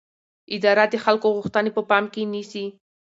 اداره د خلکو غوښتنې په پام کې نیسي.